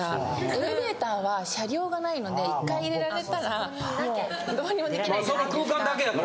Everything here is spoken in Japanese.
エレベーターは車両がないので１回入れられたらもうどうにもできないじゃないですか。